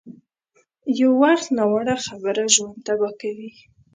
یو وخت ناوړه خبره ژوند تباه کوي.